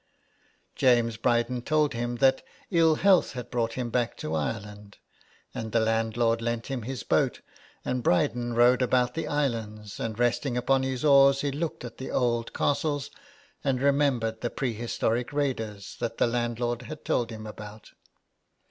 James Bryden told him that ill health had brought him back to Ireland ; and the landlord lent him his boat, and Bryden rowed about the islands, and resting upon his oars he looked at the old castles, and remembered the pre historic raiders that the landlord had told him about.